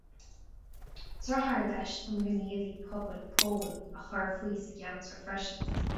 Deartháir leis an ngníomhaí pobail Pól, a chuir faoi sa gceantar freisin.